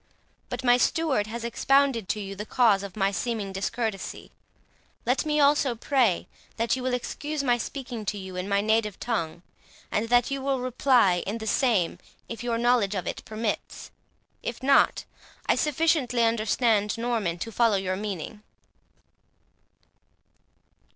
But my steward has expounded to you the cause of my seeming discourtesy. Let me also pray, that you will excuse my speaking to you in my native language, and that you will reply in the same if your knowledge of it permits; if not, I sufficiently understand Norman to follow your meaning."